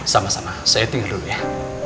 sama sama saya tinggal dulu ya